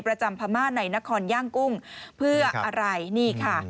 ประจำพระมาศไหนนครย่างกุ้งเพื่ออะไร